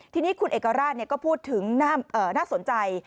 ทีนี้คุณเอกราชก็พูดถึงน่าสนใจ